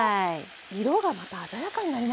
色がまた鮮やかになりましたね。